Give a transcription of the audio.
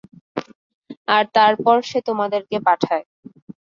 আর তারপর সে তোমাদেরকে পাঠায়।